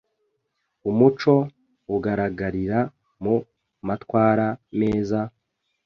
umuco ugaragarira mu matwara meza,